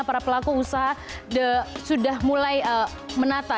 para pelaku usaha sudah mulai menata